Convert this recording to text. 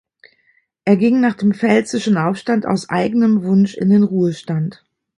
Er ging nach dem Pfälzischen Aufstand aus eigenem Wunsch in den Ruhestand.